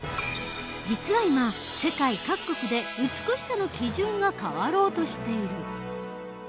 実は今世界各国で美しさの基準が変わろうとしている。